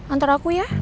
antar aku ya